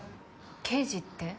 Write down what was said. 刑事って？